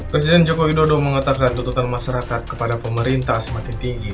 presiden jokowi dodo mengatakan tutupan masyarakat kepada pemerintah semakin tinggi